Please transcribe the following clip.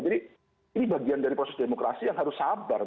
jadi ini bagian dari proses demokrasi yang harus sabar